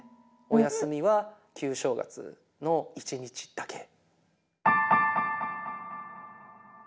お休みは旧正月の一日だけ。